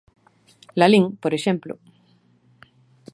Lalín, por exemplo.